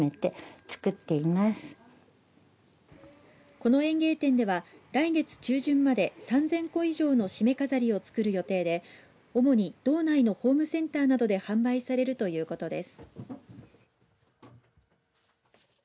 この園芸店では来月中旬まで３０００個以上のしめ飾りを作る予定で主に道内のホームセンターなどで販売されるということです。